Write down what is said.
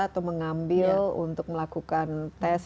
atau mengambil untuk melakukan tes